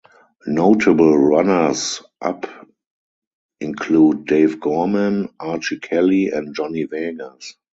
Notable runners-up include Dave Gorman, Archie Kelly and Johnny Vegas.